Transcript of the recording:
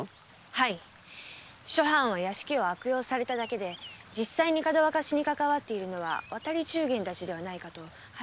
はい諸藩は屋敷を悪用されただけで実際にかどわかしにかかわっているのは渡り中間ではないかと隼人殿は睨んでおります。